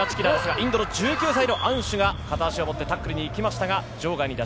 インドのアンシュが片足を持ってタックルに行きました。